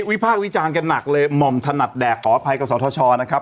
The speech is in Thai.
ภาควิจารณ์กันหนักเลยหม่อมถนัดแดกขออภัยกับสทชนะครับ